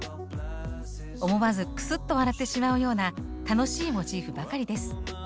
思わずクスッと笑ってしまうような楽しいモチーフばかりです。